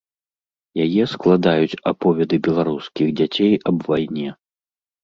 Яе складаюць аповеды беларускіх дзяцей аб вайне.